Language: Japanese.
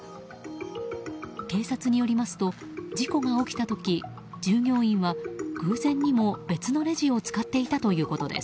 警察によりますと事故が起きた時従業員は偶然にも別のレジを使っていたということです。